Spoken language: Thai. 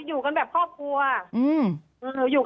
ตอนที่จะไปอยู่โรงเรียนจบมไหนคะ